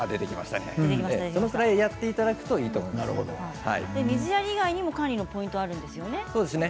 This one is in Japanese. そのぐらいやっていただくと水やり以外に管理のポイントがあるんですよね。